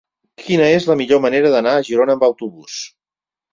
Quina és la millor manera d'anar a Girona amb autobús?